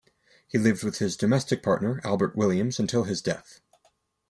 He lived with his domestic partner, Albert Williams, until his death.